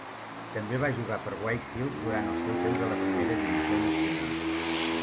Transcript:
També va jugar per Wakefield durant el seu temps a la Primera Divisió Nacional.